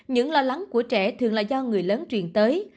những lo lắng của trẻ thường là do người lớn truyền tới